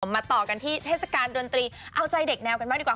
มาต่อกันที่เทศกาลดนตรีเอาใจเด็กแนวกันบ้างดีกว่า